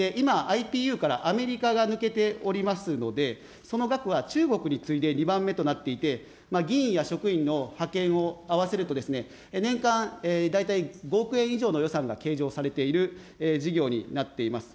今、ＩＰＵからアメリカが抜けておりますので、その額は中国に次いで２番目となっていて、議員や職員の派遣を合わせると、年間大体５億円以上の予算が計上されている事業になっています。